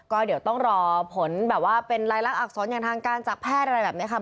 ก็เดี๋ยวต้องรอผลแบบว่าเป็นลายลักษรอย่างทางการจากแพทย์อะไรแบบนี้ค่ะ